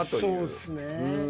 そうっすね。